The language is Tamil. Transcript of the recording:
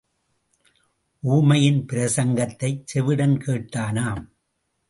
ஊமையின் பிரசங்கத்தைச் செவிடன் கேட்டானாம்.